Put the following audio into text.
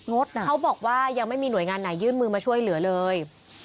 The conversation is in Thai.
เขาบอกว่ายังไม่มีหน่วยงานไหนยื่นมือมาช่วยเหลือเลย